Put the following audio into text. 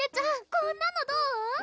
こんなのどう？